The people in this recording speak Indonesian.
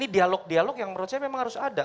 dialog dialog yang menurut saya memang harus ada